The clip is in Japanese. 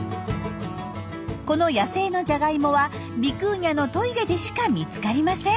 この野生のジャガイモはビクーニャのトイレでしか見つかりません。